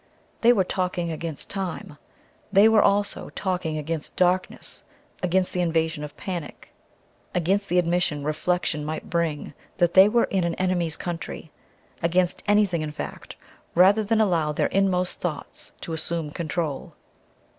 They were talking against time. They were also talking against darkness, against the invasion of panic, against the admission reflection might bring that they were in an enemy's country against anything, in fact, rather than allow their inmost thoughts to assume control.